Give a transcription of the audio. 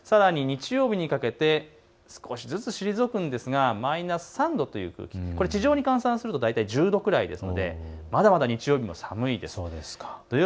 さらに日曜日にかけて少しずつ退くんですがマイナス３度という空気地上に換算すると大体１０度くらいですのでまだまだ日曜日も寒いです。